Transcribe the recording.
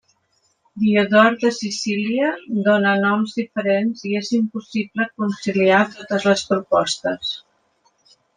Diodor de Sicília dona noms diferents, i és impossible conciliar totes les propostes.